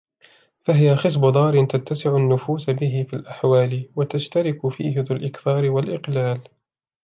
فَهِيَ خِصْبُ دَارٍ تَتَّسِعُ النُّفُوسُ بِهِ فِي الْأَحْوَالِ وَتَشْتَرِكُ فِيهِ ذُو الْإِكْثَارِ وَالْإِقْلَالِ